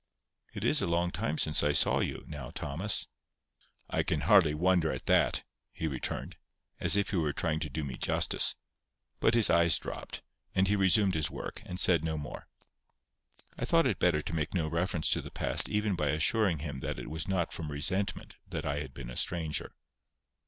"It is a long time since I saw you, now, Thomas." "I can hardly wonder at that," he returned, as if he were trying to do me justice; but his eyes dropped, and he resumed his work, and said no more. I thought it better to make no reference to the past even by assuring him that it was not from resentment that I had been a stranger.